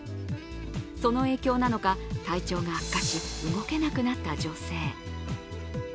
その影響なのか、体調が悪化し、動けなくなった女性。